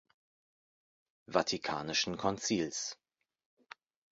Vatikanischen Konzils".